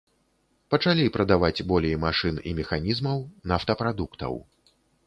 Пачалі прадаваць болей машын і механізмаў, нафтапрадуктаў.